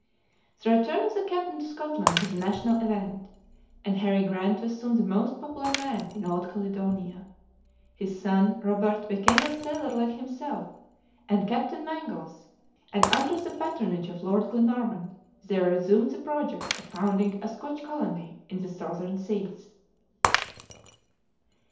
The return of the captain to Scotland was a national event, and Harry Grant was soon the most popular man in old Caledonia. His son Robert became a sailor like himself and Captain Mangles, and under the patronage of Lord Glenarvan they resumed the project of founding a Scotch colony in the Southern Seas.